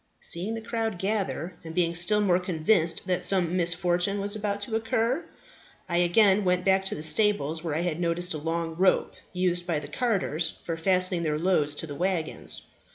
Seeing the crowd gather, and being still more convinced that some misfortune was about to occur, I again went back to the stables, where I had noticed a long rope used by the carters for fastening their loads to the waggons.